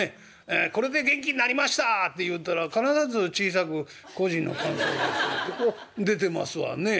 「これで元気になりました！」って言うたら必ず小さく「個人の感想です」いうこと出てますわね。